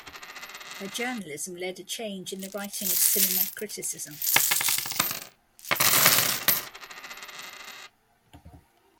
Her journalism led a change in the writing of cinema criticism.